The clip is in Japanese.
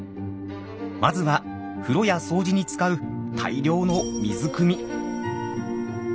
まずは風呂や掃除に使う大量の水くみ。